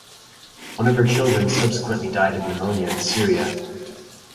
One of her children subsequently died of pneumonia in Syria.